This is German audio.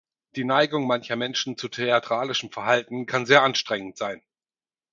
Die Neigung mancher Menschen zu theatralischem Verhalten kann sehr anstrengend sein.